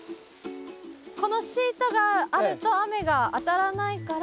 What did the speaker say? このシートがあると雨が当たらないから。